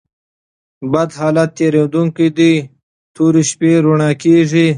بد حالت تېرېدونکى دئ؛ توري شپې رؤڼا کېږي.